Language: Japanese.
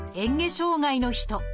障害の人。